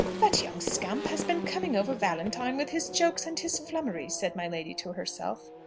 "That young scamp has been coming over Valentine with his jokes and his flummery," said my lady to herself.